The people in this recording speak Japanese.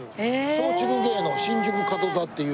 松竹芸能新宿角座っていう。